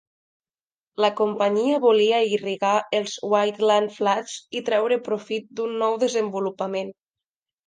La companyia volia irrigar els Wheatland Flats i treure profit d'un nou desenvolupament.